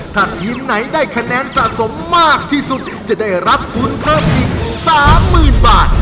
ถ้าทีมไหนได้คะแนนสะสมมากที่สุดจะได้รับทุนเพิ่มอีก๓๐๐๐บาท